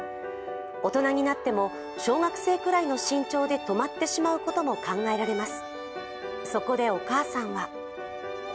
大人になっても小学生くらいの身長で止まってしまうことも考えられます。